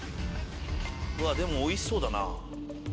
わっでもおいしそうだな。